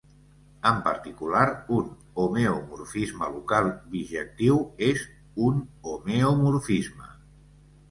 En particular, un homeomorfisme local bijectiu és un homeomorfisme.